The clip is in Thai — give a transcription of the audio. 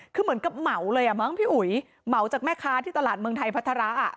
คือเหมือนกับเหมาเลยอ่ะมั้งพี่อุ๋ยเหมาจากแม่ค้าที่ตลาดเมืองไทยพัฒระ